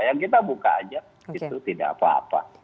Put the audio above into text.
yang kita buka aja itu tidak apa apa